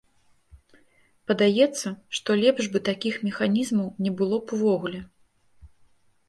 Падаецца, што лепш бы такіх механізмаў не было б увогуле.